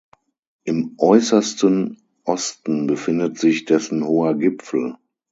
Im äußersten Osten befindet sich dessen hoher Gipfel.